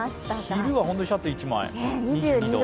昼は本当にシャツ１枚２２度。